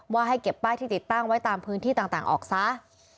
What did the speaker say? ให้เก็บป้ายที่ติดตั้งไว้ตามพื้นที่ต่างออกซะ